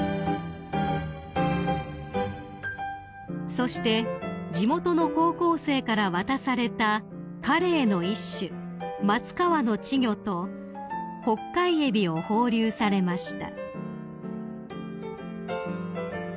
［そして地元の高校生から渡されたカレイの一種マツカワの稚魚とホッカイエビを放流されました］